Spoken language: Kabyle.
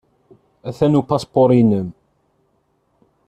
Atan upaspuṛ-nnem.